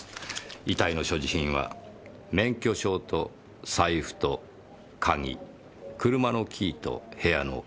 遺体の所持品は免許証と財布と鍵車のキーと部屋の鍵